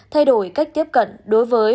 thay đổi cách tiếp cận đối với